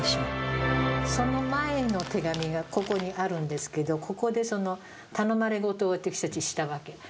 その前の手紙がここにあるんですけどここでその頼まれ事を私たちしたわけ。